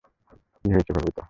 কি হয়েছে বলবি তো?